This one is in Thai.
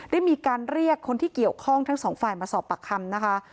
ได้มีการเรียกคนที่เกี่ยวข้องทั้งสองฝ่ายมาสอบปากคำนะคะ